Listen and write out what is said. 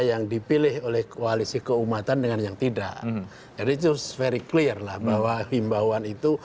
yang dipilih oleh koalisi keumatan dengan yang tidak jadi ⁇ s very clear lah bahwa himbauan itu